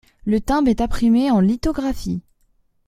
Le timbre est imprimé en lithographie.